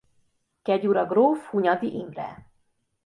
Kegyura gróf Hunyady Imre.